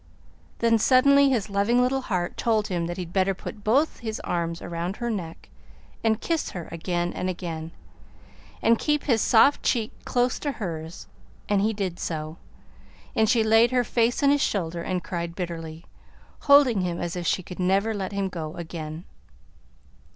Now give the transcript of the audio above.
Then suddenly his loving little heart told him that he'd better put both his arms around her neck and kiss her again and again, and keep his soft cheek close to hers; and he did so, and she laid her face on his shoulder and cried bitterly, holding him as if she could never let him go again.